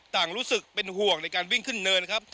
รู้สึกเป็นห่วงในการวิ่งขึ้นเนินครับ